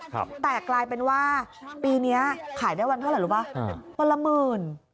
แต่กลายเป็นว่าปีเนี้ยขายได้วันเท่าไหร่รู้ป่ะวันละหมื่น